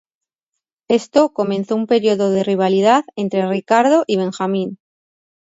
Esto comenzó un período de rivalidad entre Ricardo y Benjamín.